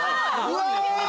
うわ！